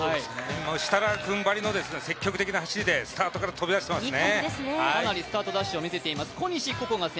設楽君ばりの積極的な走りでスタート飛び出していますね。